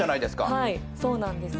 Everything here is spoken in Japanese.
はいそうなんです。